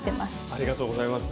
ありがとうございます。